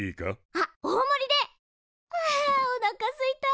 あおなかすいた。